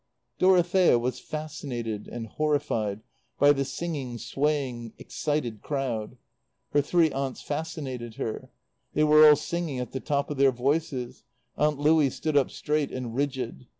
Dorothea was fascinated and horrified by the singing, swaying, excited crowd. Her three aunts fascinated her. They were all singing at the top of their voices. Aunt Louie stood up straight and rigid.